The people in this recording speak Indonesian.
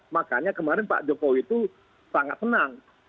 makanya kemarin pak jokowi itu sangat senang